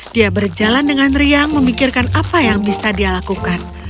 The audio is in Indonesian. dia berjalan dengan riang memikirkan apa yang bisa dia lakukan